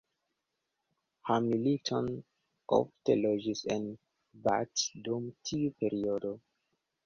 Hamilton ofte loĝis en Bath dum tiu periodo.